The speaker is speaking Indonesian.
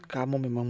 kamu memang berani